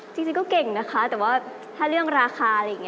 จริงก็เก่งนะคะแต่ว่าถ้าเรื่องราคาอะไรอย่างนี้